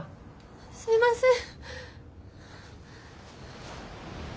すいません！